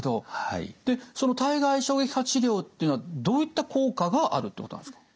その体外衝撃波治療っていうのはどういった効果があるってことなんですか？